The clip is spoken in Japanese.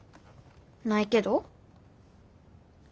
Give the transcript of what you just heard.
ないけど？